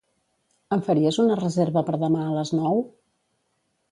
Em faries una reserva per demà a les nou?